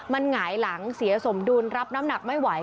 มันหงายหลังเสียสมดุลรับน้ำหนักไม่ไหว